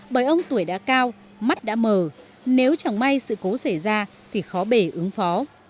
bởi ông tuổi đã cao mắt đã mờ nếu chẳng may sự cố xảy ra thì khó bể ứng phó